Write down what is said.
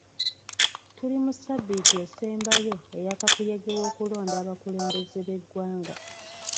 Tuli mu ssabbiiti esembayo eya kakuyege w'okulonda abakulembeze b'eggwanga.